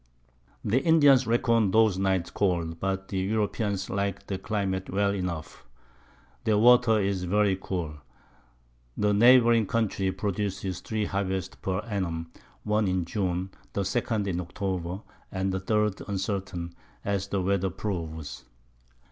The Indians reckon those Nights cold, but the Europeans like the Climate well enough. Their Water is very cool. The neighbouring Country produces 3 Harvests per Ann. one in June, the 2_d_ in October, and the 3_d_ uncertain, as the Weather proves.